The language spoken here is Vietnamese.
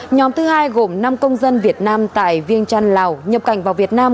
nhóm thứ hai gồm năm công dân việt nam tại viêng trăn lào nhập cảnh vào việt nam